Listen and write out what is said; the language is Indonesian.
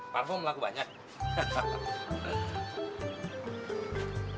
parfum laku banyak